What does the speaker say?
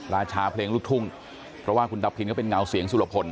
ราชาเพลงลูกทุ่งเพราะว่าคุณตาพินก็เป็นเงาเสียงสุรพล